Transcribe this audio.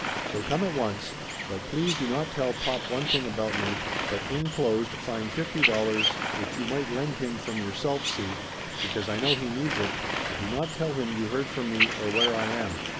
So come at once, but please do not tell pop one thing about me but inclosed find fifty dollars 204 Laughter Limited ($50) which you might lend him from yourself, see, because I know he needs it, but do not tell him you heard from me or where I am."